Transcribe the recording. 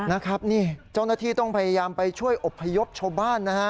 นะครับนี่เจ้าหน้าที่ต้องพยายามไปช่วยอบพยพชาวบ้านนะฮะ